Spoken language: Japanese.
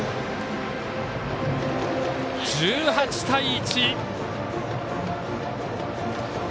１８対１。